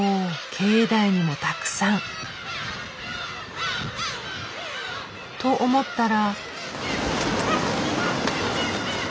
境内にもたくさん。と思ったら。